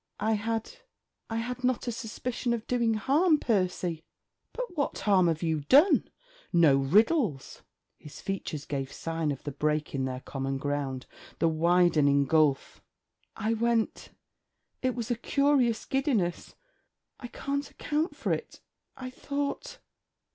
'I had... I had not a suspicion of doing harm, Percy.' 'But what harm have you done? No riddles!' His features gave sign of the break in their common ground, the widening gulf. 'I went... it was a curious giddiness: I can't account for it. I thought...'